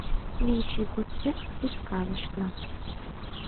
Вич ий годсек вискалышна